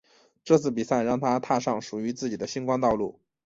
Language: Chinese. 这次比赛让她踏上属于自己的星光道路。